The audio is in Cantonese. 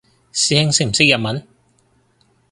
師兄識唔識日文？